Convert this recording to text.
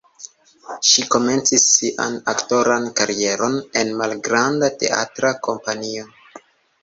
Ŝi komencis sian aktoran karieron en malgranda teatra kompanio.